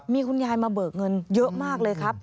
มีคุณยายมาเบิกเงินเยอะมากเลยครับ